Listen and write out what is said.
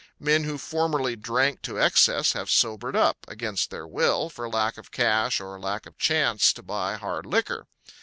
Men who formerly drank to excess have sobered up, against their will, for lack of cash or lack of chance to buy hard liquor.